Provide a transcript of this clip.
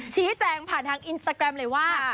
ชี้แจงผ่านทางอินสตาแกรมเลยว่า